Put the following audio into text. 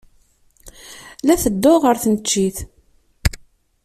La ttedduɣ ɣer tneččit.